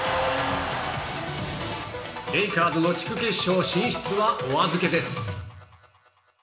レイカーズの地区決勝進出はお預けです。